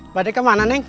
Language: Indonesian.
mbak dek kemana neng